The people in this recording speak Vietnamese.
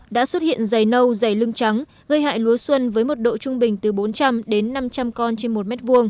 đã xuất hiện dày nâu dày lưng trắng gây hại lúa xuân với mật độ trung bình từ bốn trăm linh đến năm trăm linh con trên một m hai